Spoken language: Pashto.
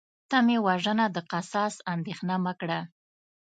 ته مې وژنه د قصاص اندیښنه مه کړه